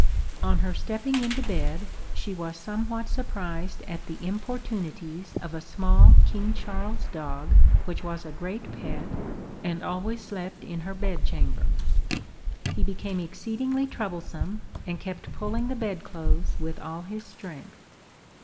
On her stepping into bed, she was somewhat surprised at the importunities of a small King Charles's dog, which was a great pet, and always slept in her bedchamber. He became exceedingly troublesome, and kept pulling the bedclothes with all his strength.